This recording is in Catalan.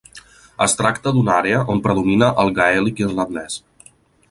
Es tracta d'una àrea on predomina el gaèlic irlandès.